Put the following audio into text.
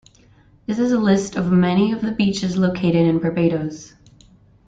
This is a list of many of the beaches located in Barbados.